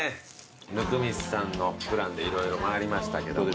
温水さんのプランで色々回りましたけどもね。